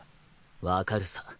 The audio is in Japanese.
分かるさ。